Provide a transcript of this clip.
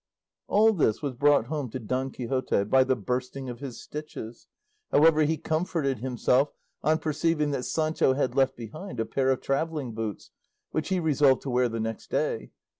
All this was brought home to Don Quixote by the bursting of his stitches; however, he comforted himself on perceiving that Sancho had left behind a pair of travelling boots, which he resolved to wear the next day.